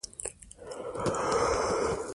د ادب او احترام لاره.